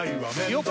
よっ！